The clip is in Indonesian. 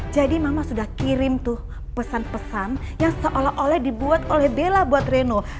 jadi mama sudah kirim tuh pesan pesan yang seolah olah dibuat oleh bella buat reno